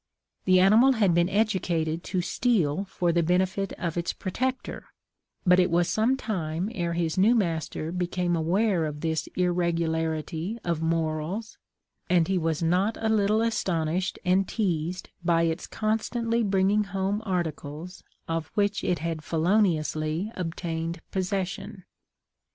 The animal had been educated to steal for the benefit of its protector; but it was some time ere his new master became aware of this irregularity of morals, and he was not a little astonished and teazed by its constantly bringing home articles of which it had feloniously obtained possession.